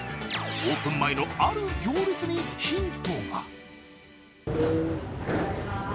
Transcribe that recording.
オープン前のある行列にヒントが。